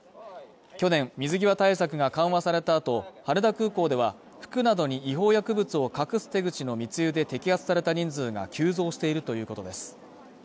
去年水際対策が緩和された後、羽田空港では、服などに違法薬物を隠す手口の密輸で摘発された人数が急増しているということです。